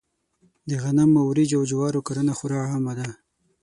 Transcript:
د غنمو، وريجو او جوارو کرنه خورا عامه ده.